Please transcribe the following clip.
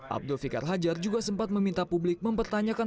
abdul fikar hajar juga sempat meminta publik mempertanyakan